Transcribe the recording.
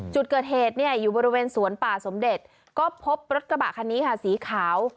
จุดเกิดเหตุเนี่ยอยู่บริเวณสวนป่าสมเด็จก็พบรถกระบะคันนี้ค่ะสีขาว